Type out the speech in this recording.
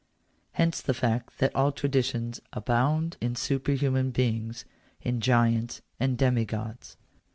Hence the fact that all traditions abound in superhuman beings, in giants and demigods.